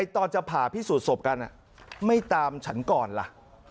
ตอนจะผ่าพิสูจนศพกันไม่ตามฉันก่อนล่ะ